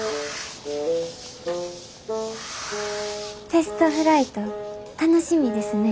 テストフライト楽しみですね。